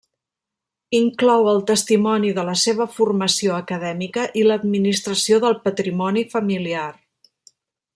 Inclou el testimoni de la seva formació acadèmica i l'administració del patrimoni familiar.